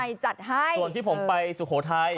เอาส่วนที่ผมไปสุโครไทย